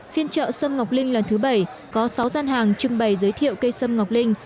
phiên trợ xâm ngọc linh lần thứ bảy có sáu gian hàng trưng bày giới thiệu cây xâm ngọc linh